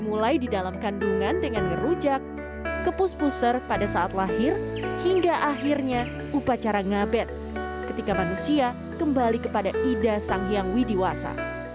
mulai di dalam kandungan dengan ngerujak kepus puser pada saat lahir hingga akhirnya upacara ngabet ketika manusia kembali kepada ida sang hyang widiwasa